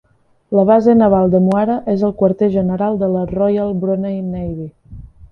La base naval de Muara és el quarter general de la "Royal Brunei Navy".